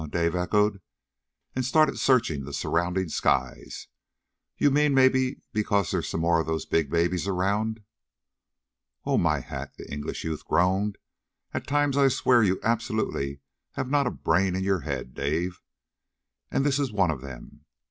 Dave echoed, and started searching the surrounding skies. "You mean, because maybe there's some more of those big babies around?" "Oh my hat!" the English youth groaned. "At times I swear you absolutely have not a brain in your head, Dave. And this is one of them.